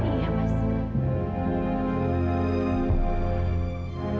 papa kena stroke